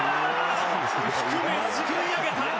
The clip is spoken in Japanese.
低め、すくい上げた！